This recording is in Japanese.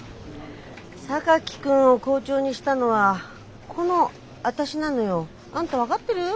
榊君を校長にしたのはこの私なのよ。あんた分かってる？